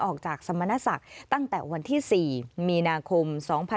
สมณศักดิ์ตั้งแต่วันที่๔มีนาคม๒๕๖๒